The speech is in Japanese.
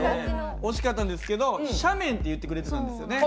惜しかったんですけど斜面って言ってくれてたんですよね。